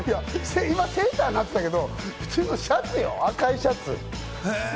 今、セーターになってたけど普通のシャツよ、赤いシャツ。